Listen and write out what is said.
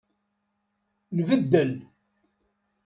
Nbeddel.